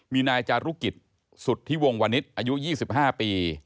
มีนายจารุกิจสุดที่วงวันนิตรอายุยี่สิบห้าปี